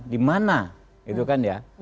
dimana itu kan ya